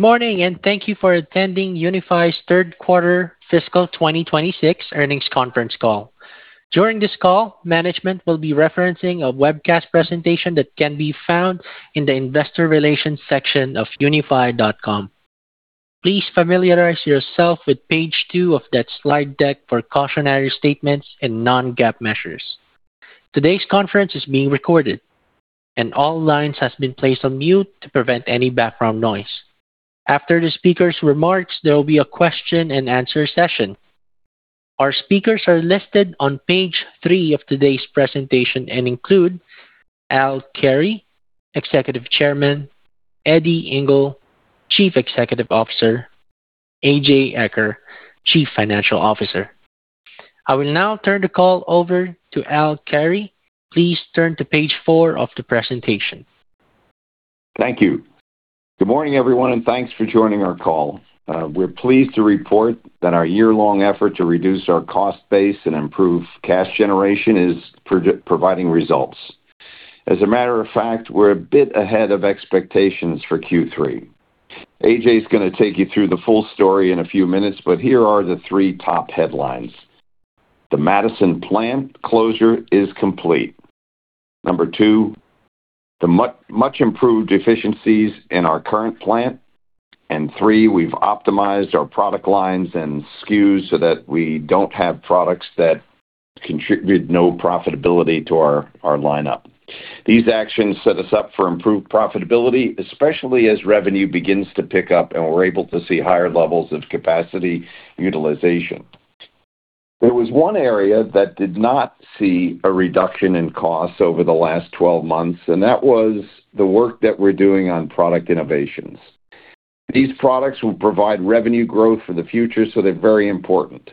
Good morning, and thank you for attending Unifi's third quarter fiscal 2026 earnings conference call. During this call, management will be referencing a webcast presentation that can be found in the investor relations section of unifi.com. Please familiarize yourself with page two of that slide deck for cautionary statements and non-GAAP measures. Today's conference is being recorded, and all lines has been placed on mute to prevent any background noise. After the speaker's remarks, there will be a question-and-answer session. Our speakers are listed on page three of today's presentation and include Al Carey, Executive Chairman, Eddie Ingle, Chief Executive Officer, A.J. Eaker, Chief Financial Officer. I will now turn the call over to Al Carey. Please turn to page four of the presentation. Thank you. Good morning, everyone, and thanks for joining our call. We're pleased to report that our year-long effort to reduce our cost base and improve cash generation is providing results. As a matter of fact, we're a bit ahead of expectations for Q3. A.J.'s gonna take you through the full story in a few minutes, here are the three top headlines. The Madison plant closure is complete. Number two, the much improved efficiencies in our current plant. Three, we've optimized our product lines and SKUs so that we don't have products that contribute no profitability to our lineup. These actions set us up for improved profitability, especially as revenue begins to pick up and we're able to see higher levels of capacity utilization. There was one area that did not see a reduction in cost over the last 12 months. That was the work that we're doing on product innovations. These products will provide revenue growth for the future. They're very important.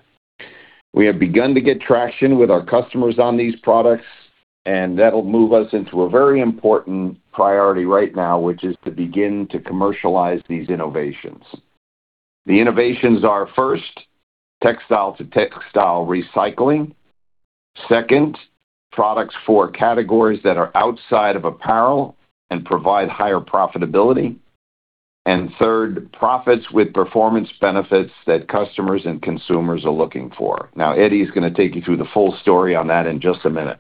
We have begun to get traction with our customers on these products. That'll move us into a very important priority right now, which is to begin to commercialize these innovations. The innovations are, first, textile to textile recycling. Second, products for categories that are outside of apparel and provide higher profitability. Third, profits with performance benefits that customers and consumers are looking for. Now, Eddie is gonna take you through the full story on that in just a minute.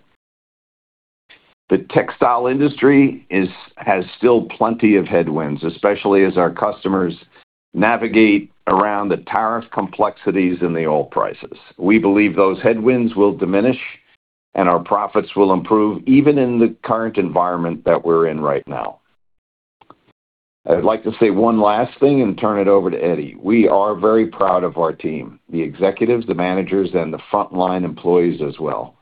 The textile industry has still plenty of headwinds, especially as our customers navigate around the tariff complexities and the oil prices. We believe those headwinds will diminish and our profits will improve even in the current environment that we're in right now. I'd like to say one last thing and turn it over to Eddie. We are very proud of our team, the executives, the managers, and the frontline employees as well.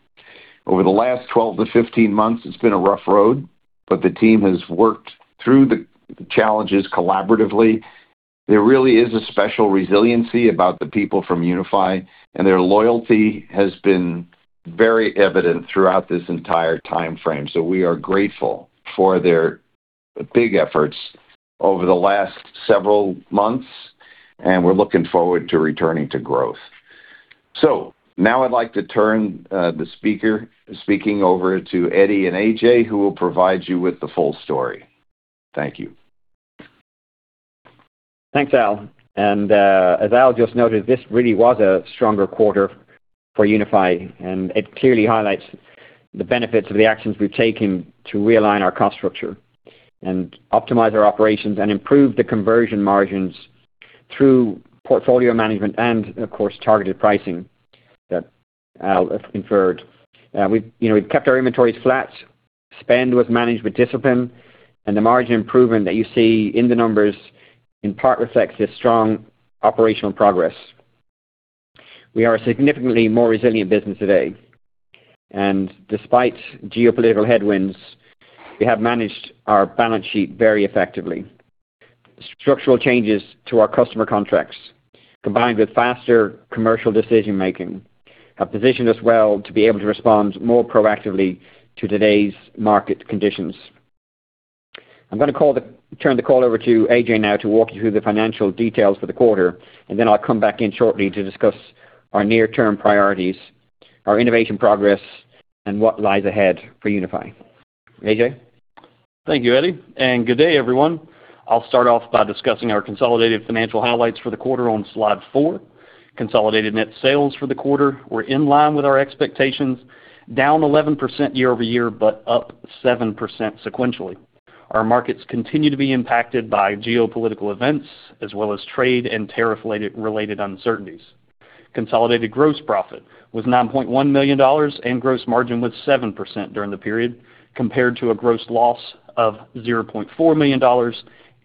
Over the last 12 to 15 months, it's been a rough road, but the team has worked through the challenges collaboratively. There really is a special resiliency about the people from Unifi, and their loyalty has been very evident throughout this entire timeframe. We are grateful for their big efforts over the last several months, and we're looking forward to returning to growth. Now I'd like to turn to speaker, speaking over to Eddie and A.J., who will provide you with the full story. Thank you. Thanks, Al. As Al just noted, this really was a stronger quarter for Unifi, and it clearly highlights the benefits of the actions we've taken to realign our cost structure and optimize our operations and improve the conversion margins through portfolio management and of course, targeted pricing that Al inferred. We've, you know, we've kept our inventories flat. Spend was managed with discipline, and the margin improvement that you see in the numbers in part reflects this strong operational progress. We are a significantly more resilient business today. Despite geopolitical headwinds, we have managed our balance sheet very effectively. Structural changes to our customer contracts, combined with faster commercial decision-making, have positioned us well to be able to respond more proactively to today's market conditions. I'm gonna turn the call over to A.J. now to walk you through the financial details for the quarter, and then I'll come back in shortly to discuss our near-term priorities, our innovation progress, and what lies ahead for Unifi. A.J.? Thank you, Eddie, and good day, everyone. I'll start off by discussing our consolidated financial highlights for the quarter on slide four. Consolidated net sales for the quarter were in line with our expectations, down 11% year-over-year but up 7% sequentially. Our markets continue to be impacted by geopolitical events as well as trade and tariff-related uncertainties. Consolidated gross profit was $9.1 million, and gross margin was 7% during the period, compared to a gross loss of $0.4 million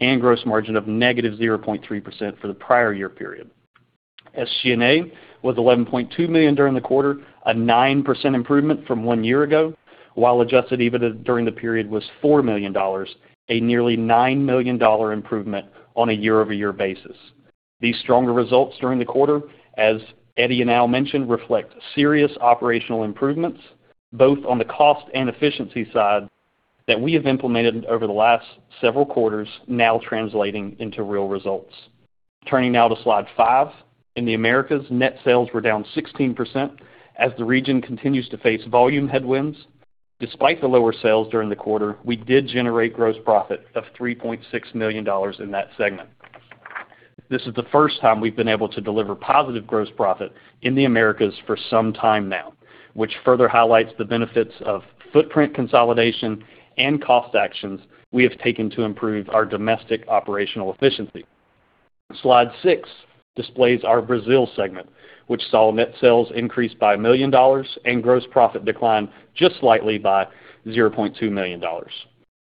and gross margin of negative 0.3% for the prior year period. SG&A was $11.2 million during the quarter, a 9% improvement from one year ago, while adjusted EBITDA during the period was $4 million, a nearly $9 million improvement on a year-over-year basis. These stronger results during the quarter, as Eddie and Al mentioned, reflect serious operational improvements, both on the cost and efficiency side, that we have implemented over the last several quarters now translating into real results. Turning now to slide five. In the Americas, net sales were down 16% as the region continues to face volume headwinds. Despite the lower sales during the quarter, we did generate gross profit of $3.6 million in that segment. This is the first time we've been able to deliver positive gross profit in the Americas for some time now, which further highlights the benefits of footprint consolidation and cost actions we have taken to improve our domestic operational efficiency. Slide six displays our Brazil segment, which saw net sales increase by $1 million and gross profit decline just slightly by $0.2 million.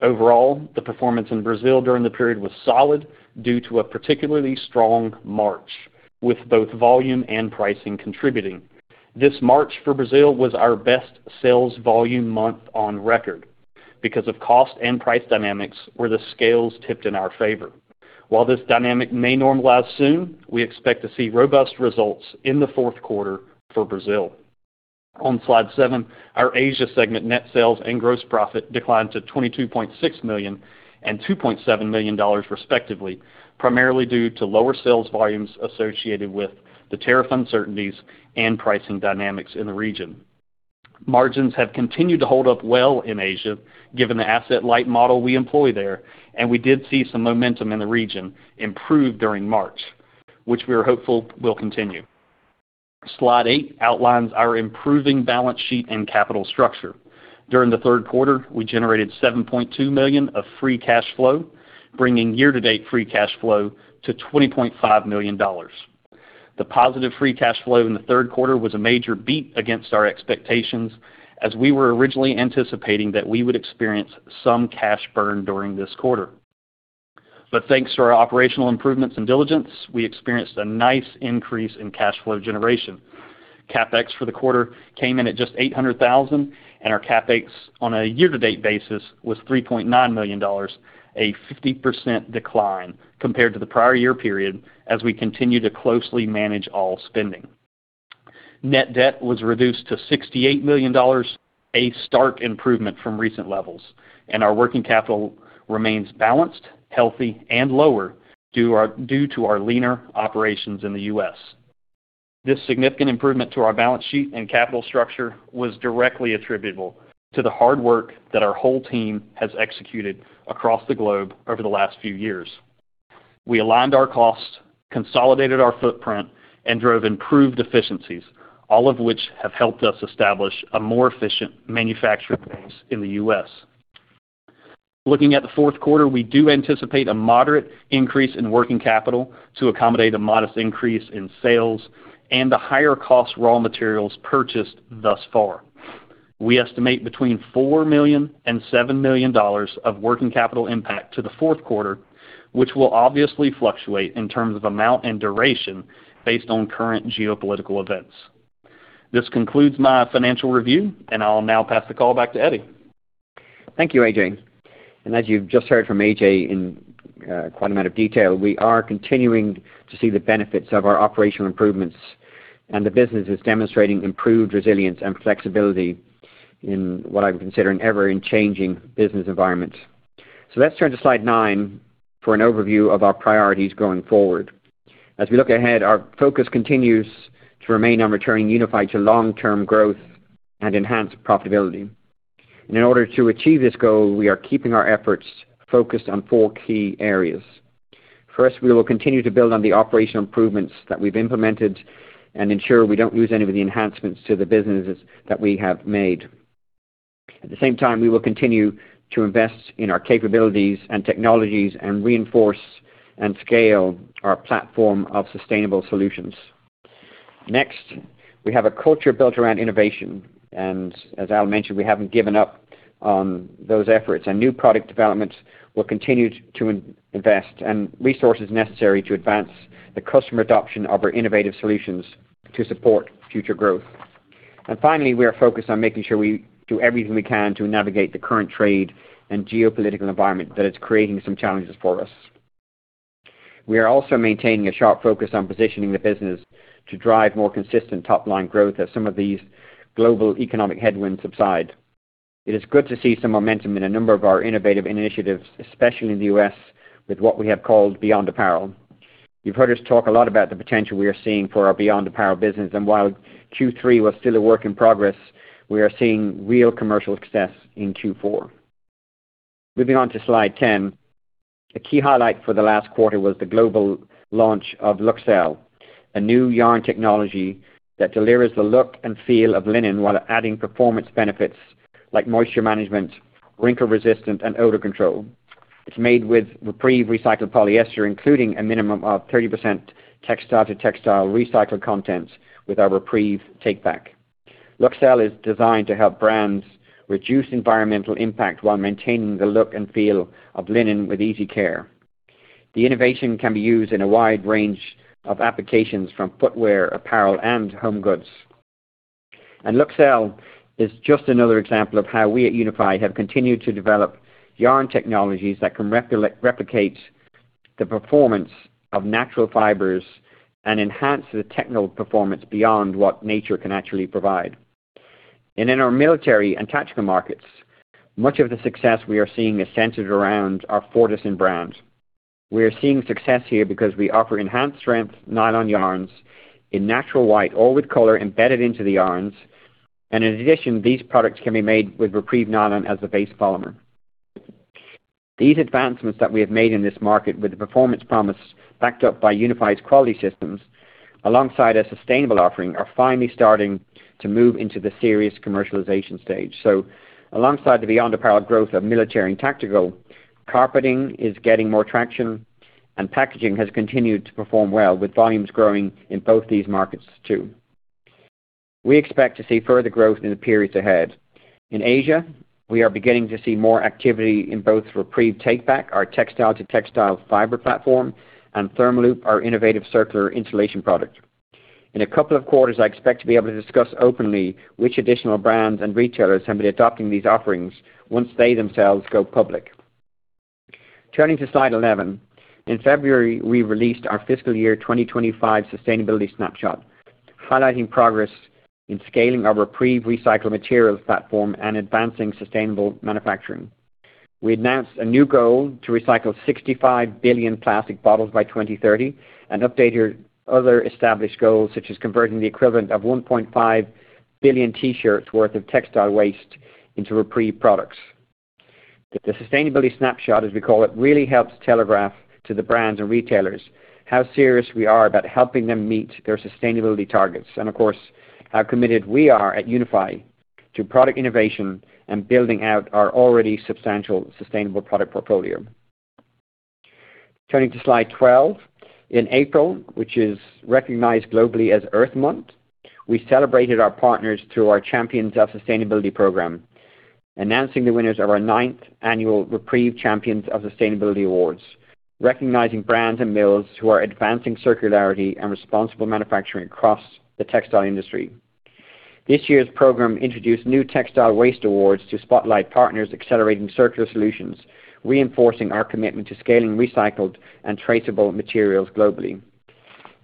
Overall, the performance in Brazil during the period was solid due to a particularly strong March, with both volume and pricing contributing. This March for Brazil was our best sales volume month on record because of cost and price dynamics where the scales tipped in our favor. While this dynamic may normalize soon, we expect to see robust results in the fourth quarter for Brazil. On slide seven, our Asia segment net sales and gross profit declined to $22.6 million and $2.7 million respectively, primarily due to lower sales volumes associated with the tariff uncertainties and pricing dynamics in the region. Margins have continued to hold up well in Asia, given the asset-light model we employ there, and we did see some momentum in the region improve during March, which we are hopeful will continue. Slide eight outlines our improving balance sheet and capital structure. During the third quarter, we generated $7.2 million of free cash flow, bringing year-to-date free cash flow to $20.5 million. The positive free cash flow in the third quarter was a major beat against our expectations, as we were originally anticipating that we would experience some cash burn during this quarter. Thanks to our operational improvements and diligence, we experienced a nice increase in cash flow generation. CapEx for the quarter came in at just $800,000, and our CapEx on a year-to-date basis was $3.9 million, a 50% decline compared to the prior year period as we continue to closely manage all spending. Net debt was reduced to $68 million, a stark improvement from recent levels, and our working capital remains balanced, healthy and lower due to our leaner operations in the U.S. This significant improvement to our balance sheet and capital structure was directly attributable to the hard work that our whole team has executed across the globe over the last few years. We aligned our costs, consolidated our footprint, and drove improved efficiencies, all of which have helped us establish a more efficient manufacturing base in the U.S. Looking at the fourth quarter, we do anticipate a moderate increase in working capital to accommodate a modest increase in sales and the higher cost raw materials purchased thus far. We estimate between $4 million and $7 million of working capital impact to the fourth quarter, which will obviously fluctuate in terms of amount and duration based on current geopolitical events. This concludes my financial review, and I'll now pass the call back to Eddie. Thank you, A.J.. As you've just heard from A.J. in quite amount of detail, we are continuing to see the benefits of our operational improvements and the business is demonstrating improved resilience and flexibility in what I'm considering ever in changing business environments. Let's turn to slide nine for an overview of our priorities going forward. As we look ahead, our focus continues to remain on returning Unifi to long-term growth and enhanced profitability. In order to achieve this goal, we are keeping our efforts focused on four key areas. First, we will continue to build on the operational improvements that we've implemented and ensure we don't lose any of the enhancements to the businesses that we have made. At the same time, we will continue to invest in our capabilities and technologies and reinforce and scale our platform of sustainable solutions. Next, we have a culture built around innovation, and as Al mentioned, we haven't given up on those efforts. New product developments will continue to invest and resources necessary to advance the customer adoption of our innovative solutions to support future growth. Finally, we are focused on making sure we do everything we can to navigate the current trade and geopolitical environment that is creating some challenges for us. We are also maintaining a sharp focus on positioning the business to drive more consistent top-line growth as some of these global economic headwinds subside. It is good to see some momentum in a number of our innovative initiatives, especially in the U.S., with what we have called Beyond Apparel. You've heard us talk a lot about the potential we are seeing for our Beyond Apparel business, and while Q3 was still a work in progress, we are seeing real commercial success in Q4. Moving on to slide 10. A key highlight for the last quarter was the global launch of Luxel, a new yarn technology that delivers the look and feel of linen while adding performance benefits like moisture management, wrinkle resistance, and odor control. It's made with REPREVE recycled polyester, including a minimum of 30% textile to textile recycled contents with our REPREVE Takeback. Luxel is designed to help brands reduce environmental impact while maintaining the look and feel of linen with easy care. The innovation can be used in a wide range of applications from footwear, apparel, and home goods. Luxel is just another example of how we at Unifi have continued to develop yarn technologies that can replicate the performance of natural fibers and enhance the technical performance beyond what nature can actually provide. In our military and tactical markets, much of the success we are seeing is centered around our Fortisyn brands. We are seeing success here because we offer enhanced strength nylon yarns in natural white or with color embedded into the yarns. In addition, these products can be made with REPREVE Nylon as the base polymer. These advancements that we have made in this market with the performance promise backed up by Unifi's quality systems alongside a sustainable offering, are finally starting to move into the serious commercialization stage. Alongside the Beyond Apparel growth of military and tactical, carpeting is getting more traction, and packaging has continued to perform well with volumes growing in both these markets too. We expect to see further growth in the periods ahead. In Asia, we are beginning to see more activity in both REPREVE Takeback, our textile-to-textile fiber platform, and ThermaLoop, our innovative circular insulation product. In a couple of quarters, I expect to be able to discuss openly which additional brands and retailers have been adopting these offerings once they themselves go public. Turning to slide 11. In February, we released our fiscal year 2025 sustainability snapshot, highlighting progress in scaling our REPREVE recycled materials platform and advancing sustainable manufacturing. We announced a new goal to recycle 65 billion plastic bottles by 2030 and updated other established goals, such as converting the equivalent of 1.5 billion t-shirts worth of textile waste into REPREVE products. The sustainability snapshot, as we call it, really helps telegraph to the brands and retailers how serious we are about helping them meet their sustainability targets and of course, how committed we are at Unifi to product innovation and building out our already substantial sustainable product portfolio. Turning to slide 12. In April, which is recognized globally as Earth Month, we celebrated our partners through our Champions of Sustainability program, announcing the winners of our 9th Annual REPREVE Champions of Sustainability Awards, recognizing brands and mills who are advancing circularity and responsible manufacturing across the textile industry. This year's program introduced new textile waste awards to spotlight partners accelerating circular solutions, reinforcing our commitment to scaling recycled and traceable materials globally.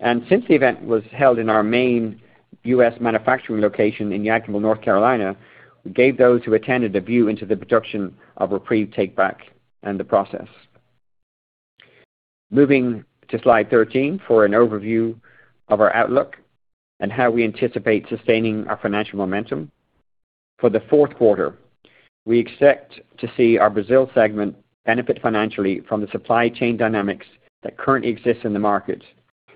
Since the event was held in our main U.S. manufacturing location in Yadkinville, North Carolina, we gave those who attended a view into the production of REPREVE Takeback and the process. Moving to slide 13 for an overview of our outlook and how we anticipate sustaining our financial momentum. For the fourth quarter, we expect to see our Brazil segment benefit financially from the supply chain dynamics that currently exist in the market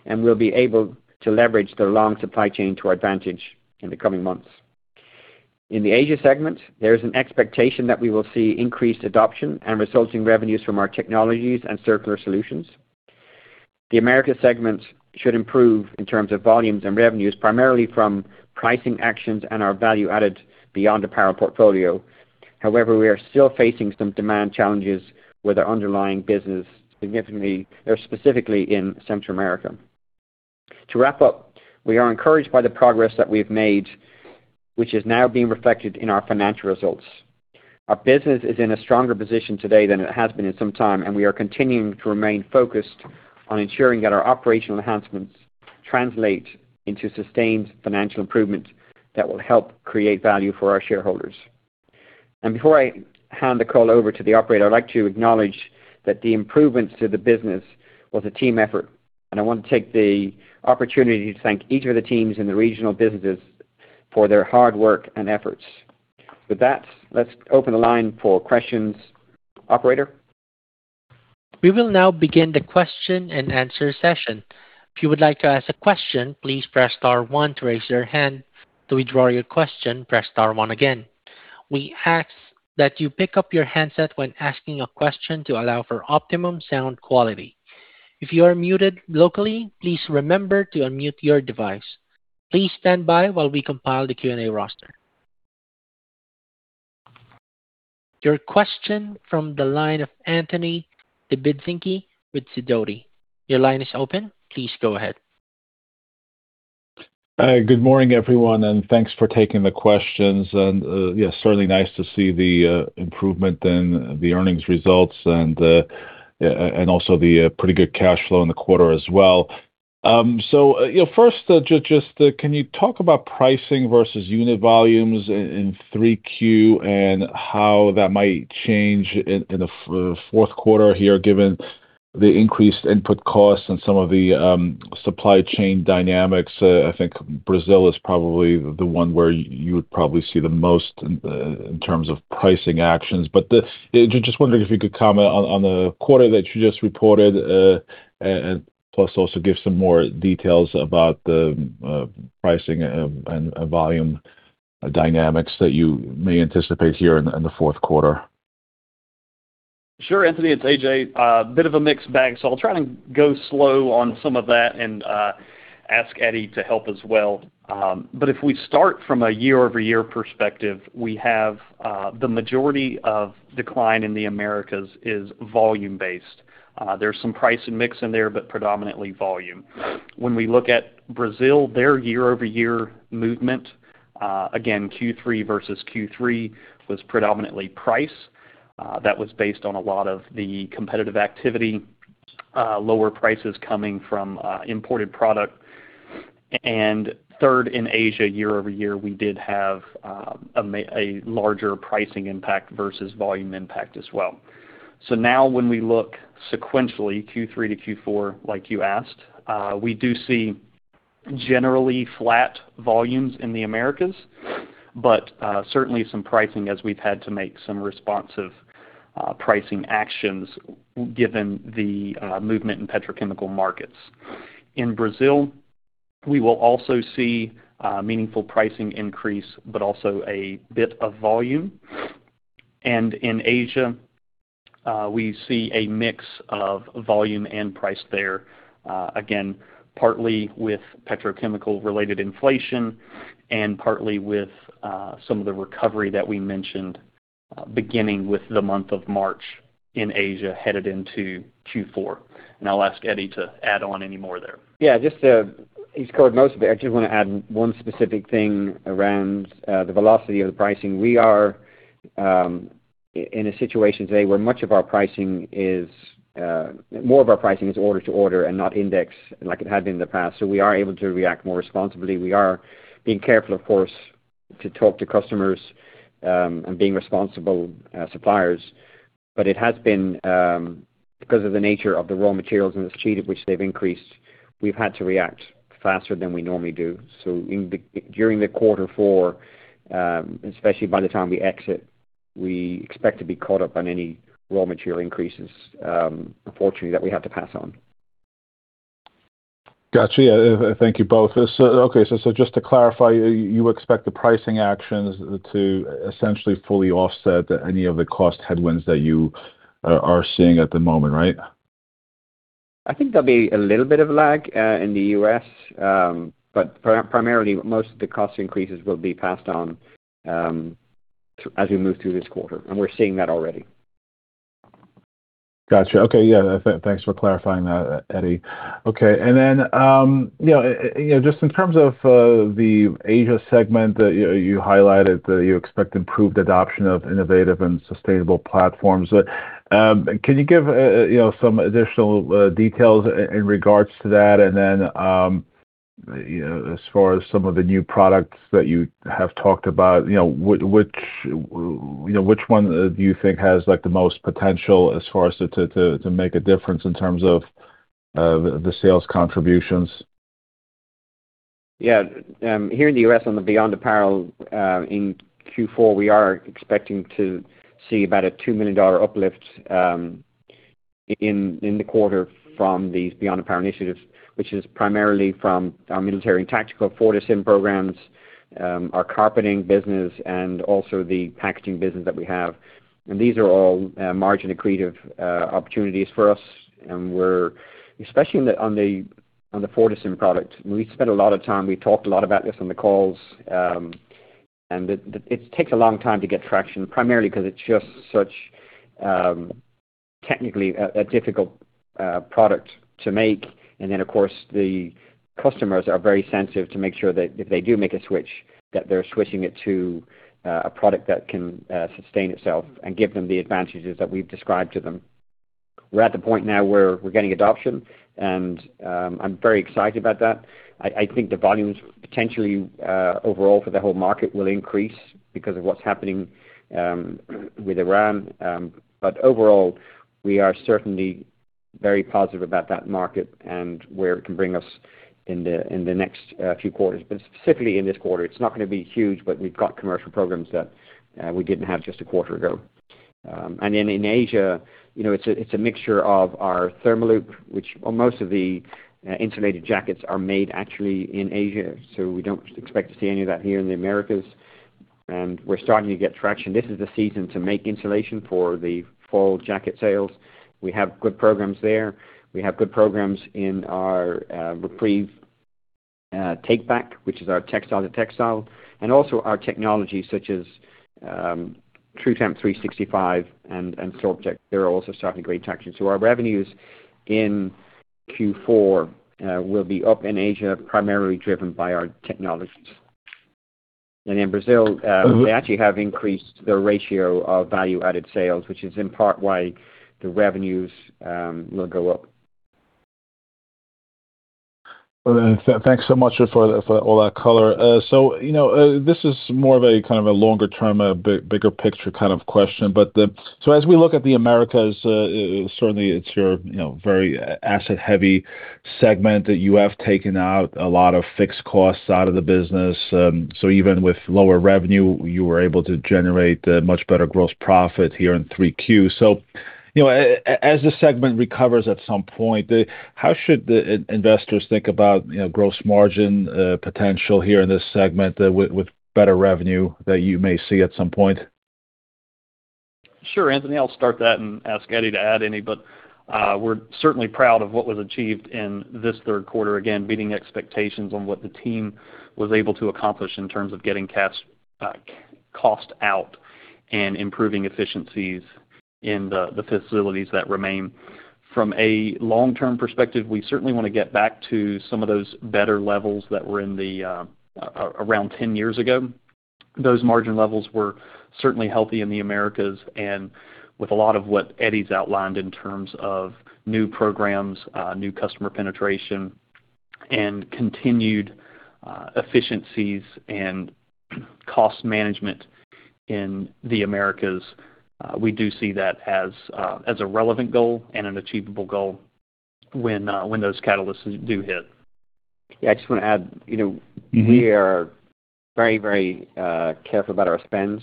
and will be able to leverage their long supply chain to our advantage in the coming months. In the Asia segment, there is an expectation that we will see increased adoption and resulting revenues from our technologies and circular solutions. The America segment should improve in terms of volumes and revenues, primarily from pricing actions and our value added Beyond Apparel portfolio. However, we are still facing some demand challenges with our underlying business significantly or specifically in Central America. To wrap up, we are encouraged by the progress that we've made, which is now being reflected in our financial results. Our business is in a stronger position today than it has been in some time, and we are continuing to remain focused on ensuring that our operational enhancements translate into sustained financial improvement that will help create value for our shareholders. Before I hand the call over to the operator, I'd like to acknowledge that the improvements to the business was a team effort, and I want to take the opportunity to thank each of the teams in the regional businesses for their hard work and efforts. With that, let's open the line for questions. Operator? We will now begin the question-and-answer session. If you would like to ask a question, please press star one to raise your hand. To withdraw your question, press star one again. We ask that you pick up your handset when asking a question to allow for optimum sound quality. If you're muted locally, please remember to unmute your device. Please standby while we compile the Q&A roster. Your question from the line of Anthony Lebiedzinski with Sidoti. Your line is open. Please go ahead. Good morning, everyone, thanks for taking the questions. Yeah, certainly nice to see the improvement in the earnings results and also the pretty good cash flow in the quarter as well. You know, first, just, can you talk about pricing versus unit volumes in Q3 and how that might change in the fourth quarter here, given the increased input costs and some of the supply chain dynamics? I think Brazil is probably the one where you would probably see the most in terms of pricing actions. Just wondering if you could comment on the quarter that you just reported, and plus also give some more details about the pricing and volume dynamics that you may anticipate here in the fourth quarter. Sure, Anthony. It's A.J.. A bit of a mixed bag, I'll try and go slow on some of that and ask Eddie to help as well. If we start from a year-over-year perspective, we have the majority of decline in the Americas is volume-based. There's some price and mix in there, predominantly volume. When we look at Brazil, their year-over-year movement, again, Q3 versus Q3, was predominantly price. That was based on a lot of the competitive activity. Lower prices coming from imported product. Third, in Asia year-over-year, we did have a larger pricing impact versus volume impact as well. Now when we look sequentially Q3 to Q4, like you asked, we do see generally flat volumes in the Americas, but certainly some pricing as we've had to make some responsive pricing actions given the movement in petrochemical markets. In Brazil, we will also see a meaningful pricing increase, but also a bit of volume. In Asia, we see a mix of volume and price there, again, partly with petrochemical related inflation and partly with some of the recovery that we mentioned, beginning with the month of March in Asia headed into Q4. I'll ask Eddie to add on any more there. Just to-- he's covered most of it. I just wanna add one specific thing around the velocity of the pricing. We are in a situation today where much of our pricing is more of our pricing is order to order and not index like it had been in the past. We are able to react more responsibly. We are being careful, of course, to talk to customers and being responsible suppliers. It has been because of the nature of the raw materials and the speed at which they've increased, we've had to react faster than we normally do. During the quarter four, especially by the time we exit, we expect to be caught up on any raw material increases, unfortunately that we have to pass on. Got you. Thank you both. Okay, so just to clarify, you expect the pricing actions to essentially fully offset any of the cost headwinds that you are seeing at the moment, right? I think there'll be a little bit of lag in the U.S., but primarily most of the cost increases will be passed on as we move through this quarter, and we're seeing that already. Got you. Okay. Yeah. Thanks for clarifying that, Eddie. Okay. Then, you know, you know, just in terms of the Asia segment that you highlighted that you expect improved adoption of innovative and sustainable platforms. Can you give, you know, some additional details in regards to that? Then, you know, as far as some of the new products that you have talked about, you know, which, you know, which one do you think has, like, the most potential as far as to make a difference in terms of the sales contributions? Yeah. Here in the U.S. on the Beyond Apparel, in Q4, we are expecting to see about a $2 million uplift in the quarter from these Beyond Apparel initiatives, which is primarily from our military and tactical Fortisyn programs, our carpeting business and also the packaging business that we have. These are all margin accretive opportunities for us. Especially on the Fortisyn product, we spent a lot of time, we talked a lot about this on the calls, and it takes a long time to get traction, primarily 'cause it's just such technically a difficult product to make. Of course the customers are very sensitive to make sure that if they do make a switch, that they're switching it to a product that can sustain itself and give them the advantages that we've described to them. We're at the point now where we're getting adoption, and I'm very excited about that. I think the volumes potentially overall for the whole market will increase because of what's happening with Iran. Overall we are certainly very positive about that market and where it can bring us in the next few quarters. Specifically in this quarter, it's not gonna be huge, but we've got commercial programs that we didn't have just a quarter ago. In Asia, you know, it's a, it's a mixture of our ThermaLoop, which most of the insulated jackets are made actually in Asia, so we don't expect to see any of that here in the Americas. We're starting to get traction. This is the season to make insulation for the fall jacket sales. We have good programs there. We have good programs in our REPREVE Takeback, which is our textile-to-textile, and also our technology such as TruTemp365 and Thinsulate. They're also starting to gain traction. Our revenues in Q4 will be up in Asia, primarily driven by our technologies. In Brazil, they actually have increased their ratio of value-added sales, which is in part why the revenues will go up. Well thanks so much for all that color. You know, this is more of a kind of a longer term, a bigger picture kind of question. As we look at the Americas, certainly it's your, you know, very asset heavy segment that you have taken out a lot of fixed costs out of the business. Even with lower revenue, you were able to generate a much better gross profit here in Q3. You know, as the segment recovers at some point, how should the investors think about, you know, gross margin potential here in this segment with better revenue that you may see at some point? Sure, Anthony. I'll start that and ask Eddie to add any. We're certainly proud of what was achieved in this third quarter, again, beating expectations on what the team was able to accomplish in terms of getting cash, cost out and improving efficiencies in the facilities that remain. From a long-term perspective, we certainly want to get back to some of those better levels that were around 10 years ago. Those margin levels were certainly healthy in the Americas and with a lot of what Eddie's outlined in terms of new programs, new customer penetration and continued efficiencies and cost management in the Americas. We do see that as a relevant goal and an achievable goal when those catalysts do hit. Yeah, I just wanna add, you know. We are very, very careful about our spends,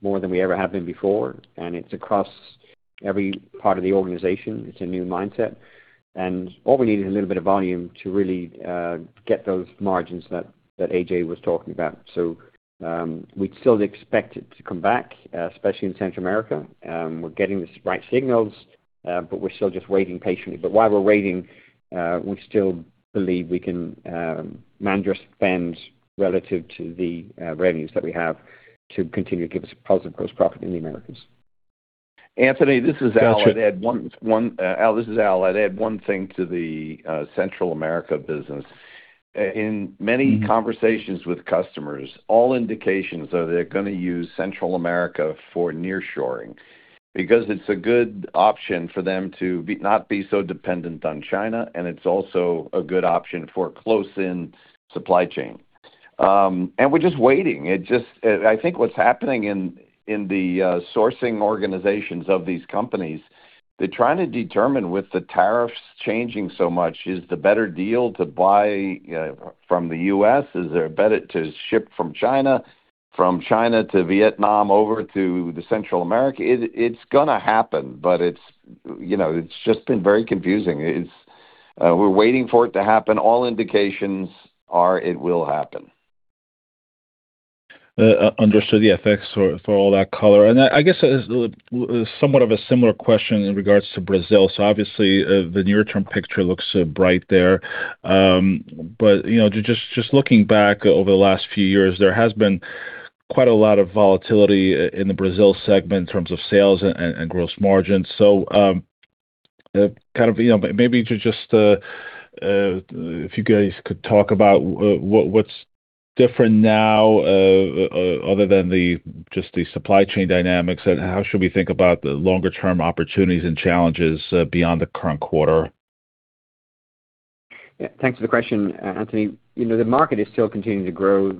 more than we ever have been before, and it's across every part of the organization. It's a new mindset. What we need is a little bit of volume to really get those margins that A.J. was talking about. We'd still expect it to come back, especially in Central America. We're getting the right signals, but we're still just waiting patiently. While we're waiting, we still believe we can manage our spends relative to the revenues that we have to continue to give us a positive gross profit in the Americas. Anthony, this is Al. Gotcha. I'd add one. This is Al. I'd add one thing to the Central America business. In many conversations with customers, all indications are they're gonna use Central America for nearshoring because it's a good option for them not be so dependent on China, and it's also a good option for a close-in supply chain. We're just waiting. I think what's happening in the sourcing organizations of these companies, they're trying to determine with the tariffs changing so much, is the better deal to buy from the U.S., is there a better to ship from China to Vietnam over to the Central America? It's gonna happen, but it's, you know, it's just been very confusing. It's, we're waiting for it to happen. All indications are it will happen. Understood the effects for all that color. I guess somewhat of a similar question in regards to Brazil. Obviously, the near term picture looks bright there. You know, looking back over the last few years, there has been quite a lot of volatility in the Brazil segment in terms of sales and gross margin. You know, kind of, maybe to just, if you guys could talk about what's different now, other than just the supply chain dynamics, and how should we think about the longer term opportunities and challenges beyond the current quarter? Yeah. Thanks for the question, Anthony. You know, the market is still continuing to grow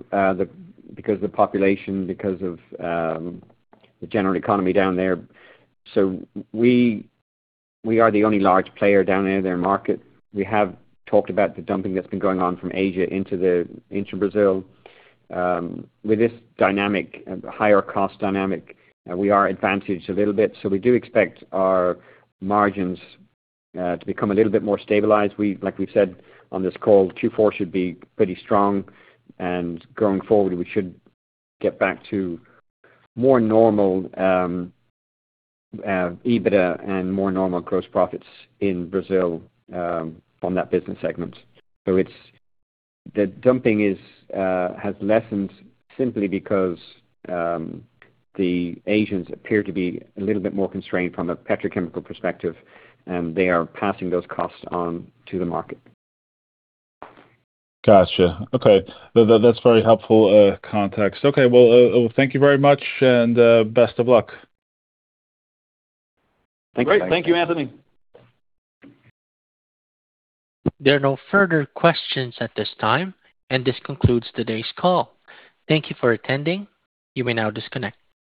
because of the population, because of the general economy down there. We are the only large player down there in their market. We have talked about the dumping that's been going on from Asia into Brazil. With this dynamic, higher cost dynamic, we are advantaged a little bit. We do expect our margins to become a little bit more stabilized. Like we've said on this call, Q4 should be pretty strong, and going forward, we should get back to more normal EBITDA and more normal gross profits in Brazil on that business segment. The dumping has lessened simply because the Asians appear to be a little bit more constrained from a petrochemical perspective, and they are passing those costs on to the market. Gotcha. Okay. That's very helpful context. Okay. Well, thank you very much and best of luck. Thank you. Great. Thank you, Anthony. There are no further questions at this time, and this concludes today's call. Thank you for attending. You may now disconnect.